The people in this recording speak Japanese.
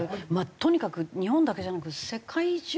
とにかく日本だけじゃなく世界中で。